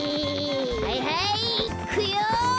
はいはいいっくよ！